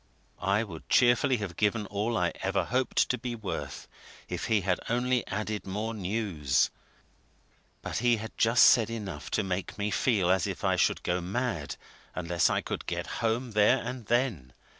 I would cheerfully have given all I ever hoped to be worth if he had only added more news; but he had just said enough to make me feel as if I should go mad unless I could get home there and then.